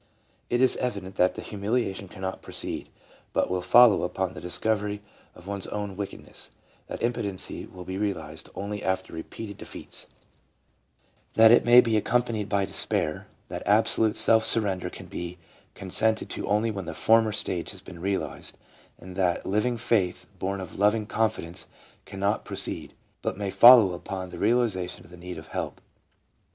It is evident that humiliation cannot precede, but will follow upon the discovery of one's own wickedness ; that impotency will be realized only after repeated defeats ; that it may be PSYCHOLOGY OF RELIGIOUS PHENOMENA. 337 accompanied by despair ; that absolute self surrender can be consented to only when the former stage has been realized, and that living faith, born of loving confidence, cannot pre cede, but may follow upon the realization of the need of help.